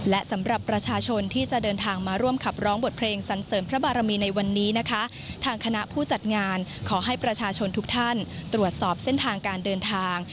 และสำหรับประชาชนที่จะเดินทางมาร่วมขับร้องบทเพลงสันเสริมพระบารมีในวันนี้นะคะทางคณะผู้จัดงานขอให้ประชาชนทุกท่านตรวจสอบเส้นทางการเดินทาง